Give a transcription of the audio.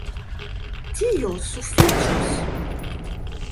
Tio sufiĉos.